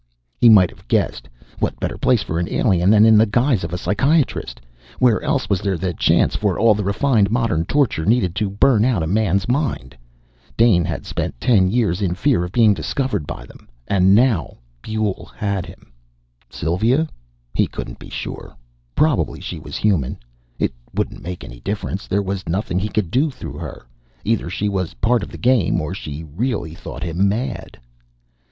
He might have guessed. What better place for an alien than in the guise of a psychiatrist? Where else was there the chance for all the refined, modern torture needed to burn out a man's mind? Dane had spent ten years in fear of being discovered by them and now Buehl had him. Sylvia? He couldn't be sure. Probably she was human. It wouldn't make any difference. There was nothing he could do through her. Either she was part of the game or she really thought him mad.